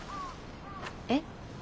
えっ？